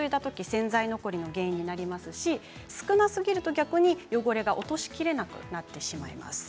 洗剤残りの原因になりますし少なすぎると逆に汚れが落としきれなくなります。